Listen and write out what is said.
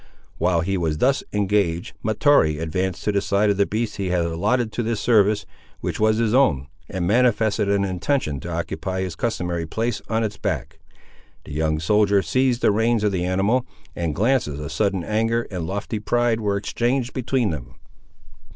While he was thus engaged, Mahtoree advanced to the side of the beast he had allotted to this service, which was his own, and manifested an intention to occupy his customary place on its back. The young soldier seized the reins of the animal, and glances of sudden anger and lofty pride were exchanged between them.